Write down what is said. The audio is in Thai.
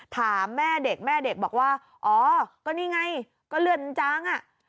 ถามแม่เด็กแม่เด็กบอกว่าอ๋อก็นี่ไงก็เลือดมันจางอ่ะ